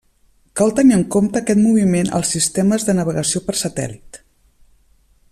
Cal tenir en compte aquest moviment als sistemes de navegació per satèl·lit.